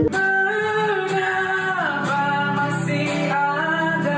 sisa rasa di dada